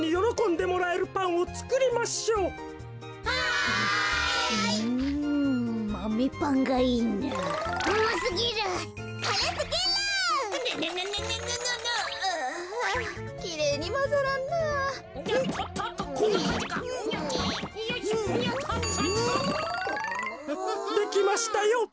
できましたよ。